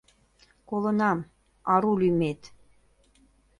Колынам — ару лӱмет.